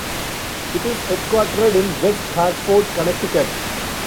It is headquartered in West Hartford, Connecticut.